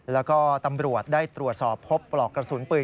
แล้วก็ตำรวจได้ตรวจสอบพบปลอกกระสุนปืน